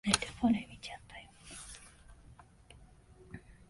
ネタバレ見ちゃったよ